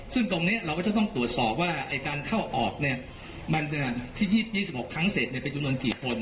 ซึ่งตรงนี้เราจะต้องตรวจสอบว่าไอ้การเข้าออกเนี้ยมันเนี้ยที่ยีบยี่สิบหกครั้งเสร็จเนี้ยเป็นจุดหน่อยกี่คน